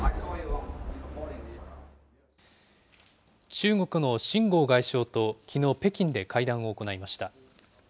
中国の秦剛外相ときのう、北京で会談を行いました。